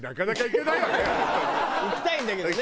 行きたいんだけどね。